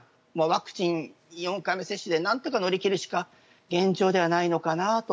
ワクチン４回目接種でなんとか乗り切るしか現状ではないのかなと。